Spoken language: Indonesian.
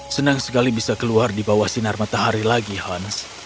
senang sekali bisa keluar di bawah sinar matahari lagi hans